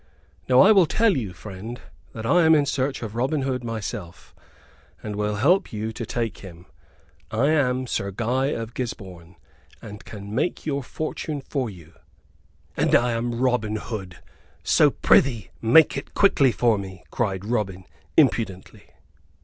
"Now I will tell you, friend, that I am in search of Robin Hood myself, and will help you to take him. I am Sir Guy of Gisborne, and can make your fortune for you." "And I am Robin Hood, so, prithee, make it quickly for me!" cried Robin, imprudently.